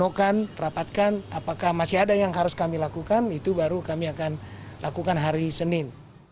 kita akan rapatkan apakah masih ada yang harus kami lakukan itu baru kami akan lakukan hari senin